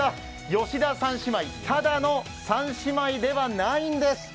吉田三姉妹ただの三姉妹ではないんです。